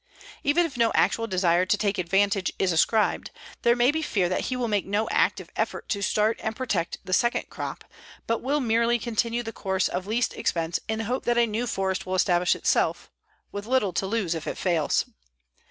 Even if no actual desire to take advantage is ascribed, there may be fear that he will make no active effort to start and protect the second crop, but will merely continue the course of least expense in the hope that a new forest will establish itself, with little to lose if it fails.